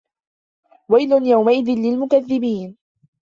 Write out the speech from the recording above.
وَيلٌ يَومَئِذٍ لِلمُكَذِّبينَ